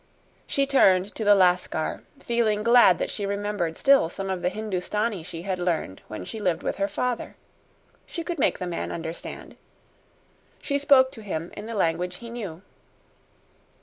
She turned to the Lascar, feeling glad that she remembered still some of the Hindustani she had learned when she lived with her father. She could make the man understand. She spoke to him in the language he knew.